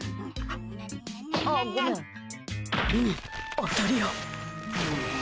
当たり屋。